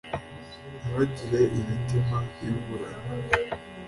ntibagire imitima iburana,